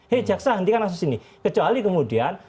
hei jaksa hentikan kasus ini kecuali kemudian